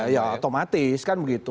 ya otomatis kan begitu